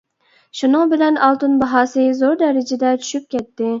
شۇنىڭ بىلەن ئالتۇن باھاسى زور دەرىجىدە چۈشۈپ كەتتى.